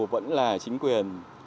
vẫn là chính quyền